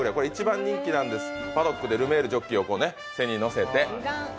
一番人気なんです、パドックでルメールジョッキーを背に乗せて。